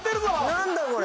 何だ⁉これ！